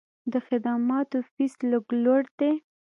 د خدماتو فیس لږ لوړ دی.